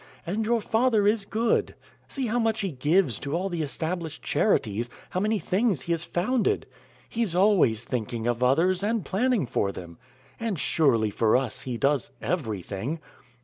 And your father is good. See how much he gives to all the established charities, how many things he has founded. He's always thinking of others, and planning for them. And surely, for us, he does everything.